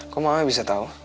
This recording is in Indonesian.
kok mamanya bisa tahu